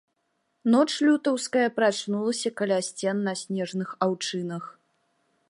Ноч лютаўская прачнулася каля сцен на снежных аўчынах.